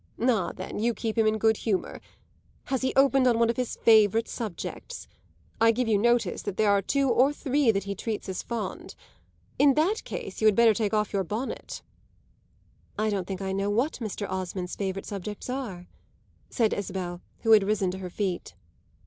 Ah then, you keep him in good humour. Has he opened on one of his favourite subjects? I give you notice that there are two or three that he treats à fond. In that case you had better take off your bonnet." "I don't think I know what Mr. Osmond's favourite subjects are," said Isabel, who had risen to her feet.